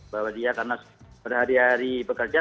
bahwa dia karena berhari hari bekerja